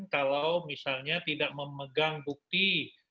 kalau misalnya tidak memegang bukti